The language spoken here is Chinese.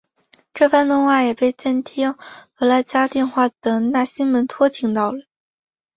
这番通话也被监听弗拉加电话的纳西门托听到了。